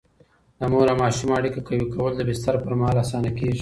د مور او ماشوم اړیکه قوي کول د بستر پر مهال اسانه کېږي.